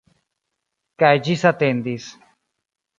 Kaj ĝisatendis.